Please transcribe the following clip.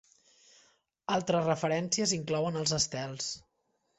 Altres referències inclouen els estels.